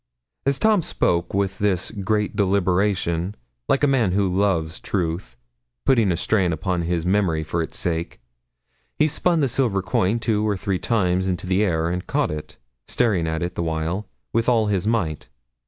As Tom spoke this with great deliberation, like a man who loves truth, putting a strain upon his memory for its sake, he spun the silver coin two or three times into the air and caught it, staring at it the while, with all his might.